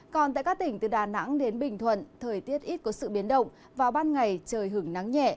còn tại các tỉnh từ đà nẵng đến bình thuận thời tiết ít có sự biến động vào ban ngày trời hưởng nắng nhẹ